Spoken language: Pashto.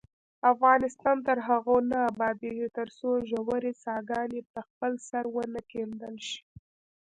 افغانستان تر هغو نه ابادیږي، ترڅو ژورې څاګانې په خپل سر ونه کیندل شي.